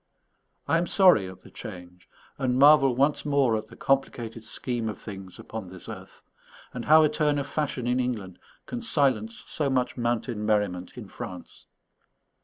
I am sorry at the change, and marvel once more at the complicated scheme of things upon this earth, and how a turn of fashion in England can silence so much mountain merriment in France.